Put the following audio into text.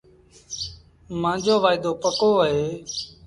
مآݩجو وآئيٚدوپڪو اهي